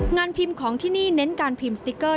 งานพิมพ์ของที่นี่เน้นการพิมพ์สติ๊กเกอร์